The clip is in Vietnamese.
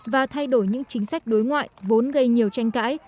và thay đổi những chính sách đối ngoại vốn gây nhiều tranh cãi